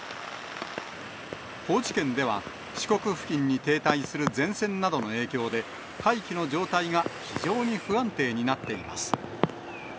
高知県では、四国付近に停滞する前線などの影響で、大気の状態が非常に不安定になっています。